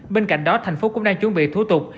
bên cạnh đó thành phố cũng đang chuẩn bị thủ tục